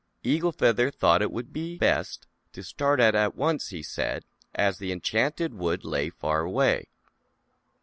Eagle Feather thought it would be best to start out at once, he said, as the Enchanted Wood lay far away.